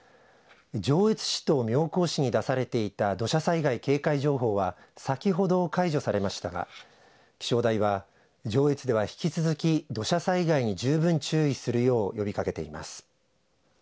上越市と妙高市に出されていた土砂災害警戒情報は先ほど解除されましたが気象台は上越では引き続き土砂災害に十分注意するよう呼びかけています。